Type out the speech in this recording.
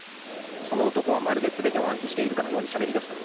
［その男はまるで全てを暗記しているかのようにしゃべりだした。